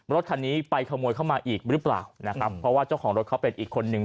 รถคันนี้ไปขโมยเข้ามาอีกหรือเปล่านะครับเพราะว่าเจ้าของรถเขาเป็นอีกคนนึง